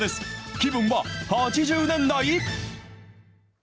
気分は８０年代？